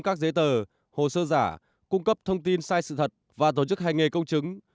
các giấy tờ hồ sơ giả cung cấp thông tin sai sự thật và tổ chức hành nghề công chứng